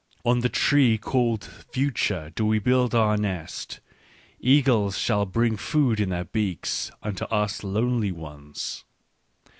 " On the tree called Future do we build our nest : eagles shall bring food in their beaks unto us lonely ones!